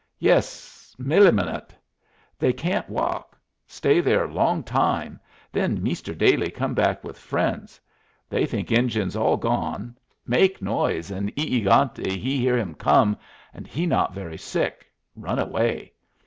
"Yas, milinut. They can't walk. Stay there long time, then Meester Dailey come back with friends. They think Injuns all gone; make noise, and E egante he hear him come, and he not very sick. Run away.